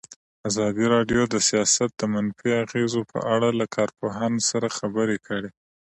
ازادي راډیو د سیاست د منفي اغېزو په اړه له کارپوهانو سره خبرې کړي.